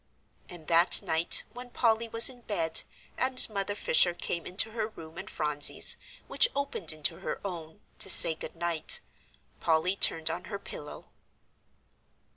And that night when Polly was in bed, and Mother Fisher came into her room and Phronsie's, which opened into her own, to say "Good night," Polly turned on her pillow.